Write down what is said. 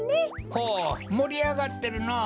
ほうもりあがってるのう。